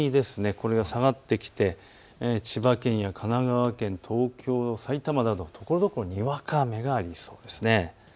これが下がってきて千葉県や神奈川県、東京、さいたまなどところどころにわか雨がありそうです。